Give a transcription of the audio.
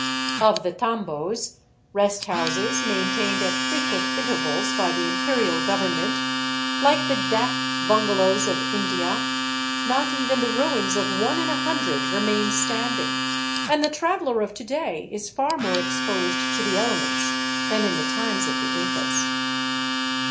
Of the tambos, rest houses maintained at frequent inter vals by the imperial g overnment, like the dak hiingalozvs of India, not even the ruins of one in a hundred remain standing, and the traveler of to day is far more exposed to the elements than in the times of the Incas.